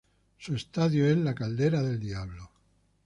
Su estadio es la Caldera del Diablo.